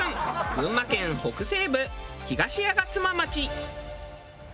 群馬県北西部東吾妻町。